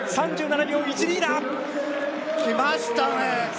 ３７秒１２だ！